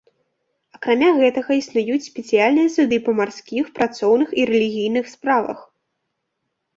Акрамя гэтага існуюць спецыяльныя суды па марскіх, працоўных і рэлігійных справах.